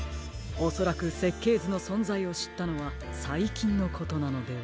おそらくせっけいずのそんざいをしったのはさいきんのことなのでは？